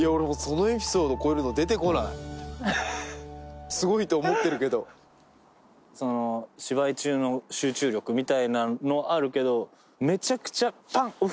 俺もうそのエピソード超えるの出てこないすごいと思ってるけどその芝居中の集中力みたいなのあるけどめちゃくちゃパン！